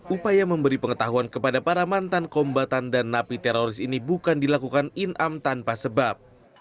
upaya memberi pengetahuan kepada para mantan kombatan dan napi teroris ini bukan dilakukan in am tanpa sebab